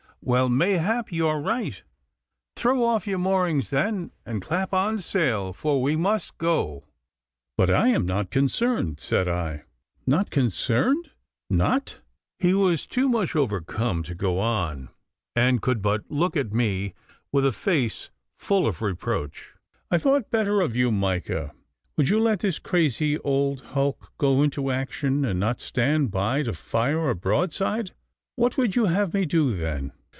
Well, mayhap you are right. Throw off your moorings, then, and clap on sail, for we must go.' 'But I am not concerned,' said I. 'Not concerned! Not ' he was too much overcome to go on, and could but look at me with a face full of reproach. 'I thought better of you, Micah. Would you let this crazy old hulk go into action, and not stand by to fire a broadside?' 'What would you have me do then?